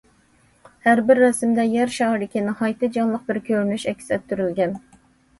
ھەر بىر رەسىمدە يەر شارىدىكى ناھايىتى جانلىق بىر كۆرۈنۈش ئەكس ئەتتۈرۈلگەن.